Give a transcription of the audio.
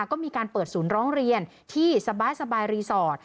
ก็มีการเปิดศูนย์ร้องเรียนที่สบายรีสอร์ท